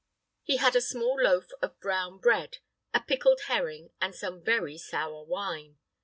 He had a small loaf of brown bread, a pickled herring, and some very sour wine.